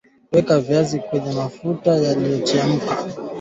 Weka viazi kwenye mafuta yaliyochemka